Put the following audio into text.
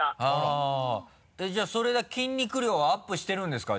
じゃあそれ筋肉量はアップしてるんですか？